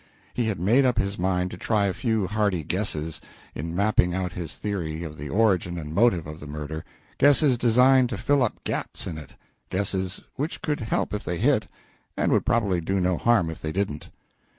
He had made up his mind to try a few hardy guesses, in mapping out his theory of the origin and motive of the murder guesses designed to fill up gaps in it guesses which could help if they hit, and would probably do no harm if they didn't.